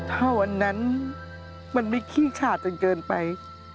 ถ้าวันนั้นมันไม่ขี้ขาดจนเกินไป